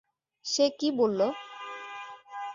সে কি বলল?